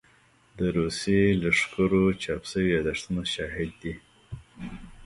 د روسي لښکرو چاپ شوي يادښتونه شاهد دي.